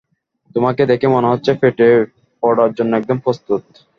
তোমাকে দেখে মনে হচ্ছে ফেটে পড়ার জন্য একদম প্রস্তুত।